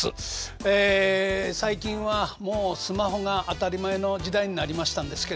ええ最近はもうスマホが当たり前の時代になりましたんですけれどね